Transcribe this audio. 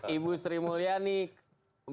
ibu sri mulyani menteri keuangan